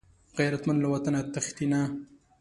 غیرتمند له وطنه تښتي نه